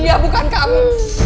dia bukan kamu